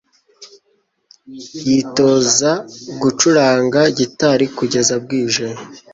Yitoza gucuranga gitari kugeza bwije.